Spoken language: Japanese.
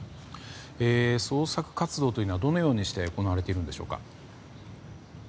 捜索活動はどのようにして行われているんでしょうか。